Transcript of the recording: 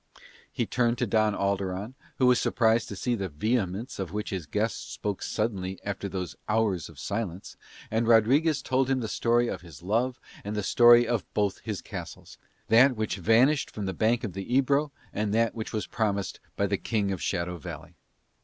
He turned to Don Alderon, who was surprised to see the vehemence with which his guest suddenly spoke after those hours of silence, and Rodriguez told him the story of his love and the story of both his castles, that which had vanished from the bank of the Ebro and that which was promised him by the King of Shadow Valley.